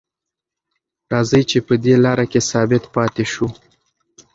راځئ چې په دې لاره کې ثابت پاتې شو.